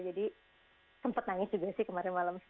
jadi sempat nangis juga sih kemarin malam